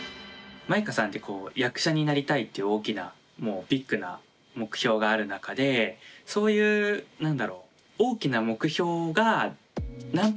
まいかさんって役者になりたいって大きなビッグな目標がある中でそういう何だろう。